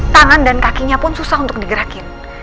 tangan dan kakinya pun susah untuk digerakin